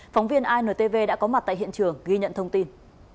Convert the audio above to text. phóng viên intv đã có mặt tại hiện trường ghi nhận thông tin